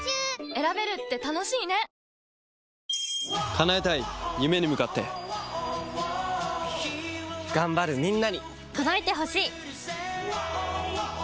叶えたい夢に向かって頑張るみんなに届いてほしい！